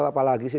apa lagi sih